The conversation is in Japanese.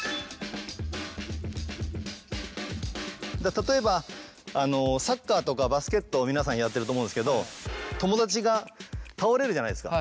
例えばサッカーとかバスケットを皆さんやってると思うんですけど友達が倒れるじゃないですか。